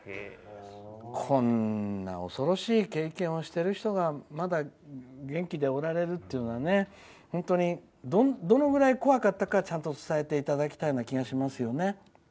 こんな恐ろしい経験をしている人がまだ元気でおられるのは本当にどのぐらい怖かったかはちゃんと伝えていきたいような気がします。